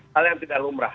hal yang tidak lumrah